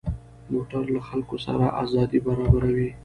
موټر له خلکو سره ازادي برابروي.